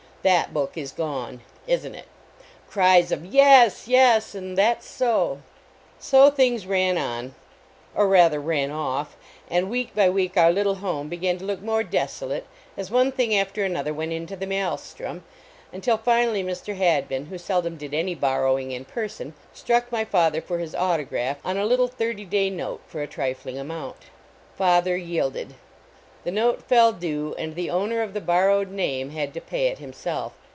That book is gone. Isn t it? (Cries of 1 Yes ! Yes !" and That s so !") So, things ran on or rather, ran off, and week by week our little home began to look more desolate as one thing after another went into tin maelstrom, until finally Mr. lladbin, who seldom did any borrowing in person, struck my father for his autograph on a little thirty day note fora trifling amount. Father yielded; the note fell due, and the owner of the borrowed name had to pay it himself.